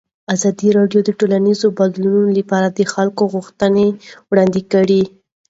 ازادي راډیو د ټولنیز بدلون لپاره د خلکو غوښتنې وړاندې کړي.